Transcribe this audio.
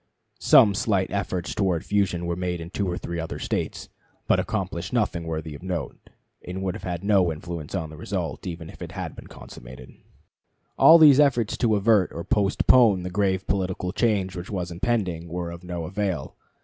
Some slight efforts towards fusion were made in two or three other States, but accomplished nothing worthy of note, and would have had no influence on the result, even had it been consummated. All these efforts to avert or postpone the grave political change which was impending were of no avail.